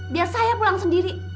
biar saya pulang sendiri